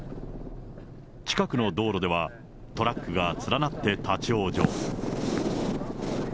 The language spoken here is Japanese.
近くの道路ではトラックが連なって立往生。